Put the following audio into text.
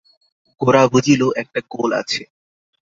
গোরা বুঝিল, একটা গোল আছে।